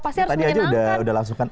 pasti harus menyenangkan